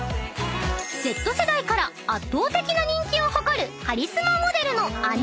［Ｚ世代から圧倒的な人気を誇る］